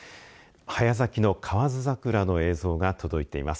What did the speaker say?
早咲きの河津桜の映像が届いています。